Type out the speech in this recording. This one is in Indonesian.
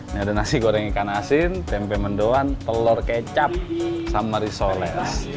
ini ada nasi goreng ikan asin tempe mendoan telur kecap sama risoles